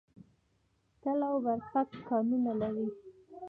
تاله او برفک کانونه لري؟